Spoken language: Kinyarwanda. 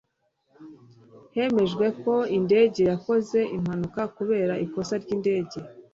hemejwe ko indege yakoze impanuka kubera ikosa ryindege